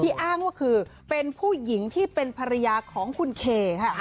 อ้างว่าคือเป็นผู้หญิงที่เป็นภรรยาของคุณเคค่ะ